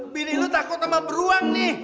bini lo takut sama beruang nih